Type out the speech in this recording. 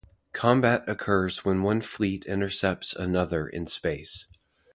Combat occurs when one fleet intercepts another in space.